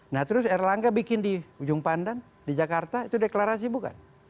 nah terus erlangga bikin di ujung pandan di jakarta itu deklarasi bukan